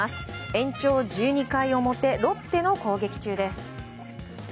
延長１２回表ロッテの攻撃中です。